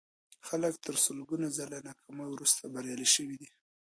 خلک تر سلګونه ځله ناکاميو وروسته بريالي شوي دي.